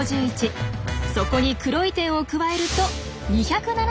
そこに黒い点を加えると２７１に。